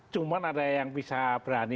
cuma ada yang bisa berani